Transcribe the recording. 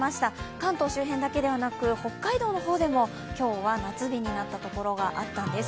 関東周辺だけではなく北海道の方でも今日は夏日になったところがあったんです。